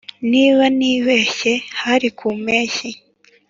niba ntibeshye hari ku mpeshyi